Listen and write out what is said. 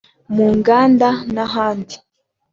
mu nganda n’ahandi